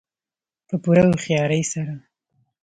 په پوره هوښیارۍ سره.